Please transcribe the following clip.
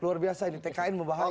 luar biasa ini tkn membahas